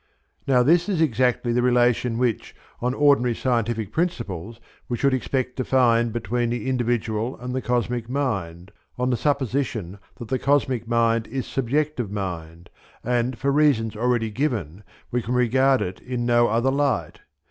Now this is exactly the relation which, on ordinary scientific principles, we should expect to find between the individual and the cosmic mind, on the supposition that the cosmic mind is subjective mind, and for reasons already given we can regard it in no other light.